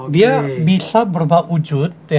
dia bisa berubah wujud